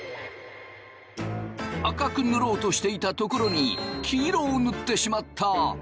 赤く塗ろうとしていたところに黄色を塗ってしまった。